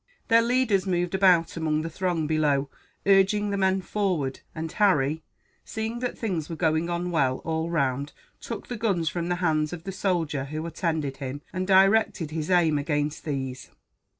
Their leaders moved about among the throng below, urging the men forward; and Harry, seeing that things were going on well, all round, took the guns from the hands of the soldier who attended him, and directed his aim against these.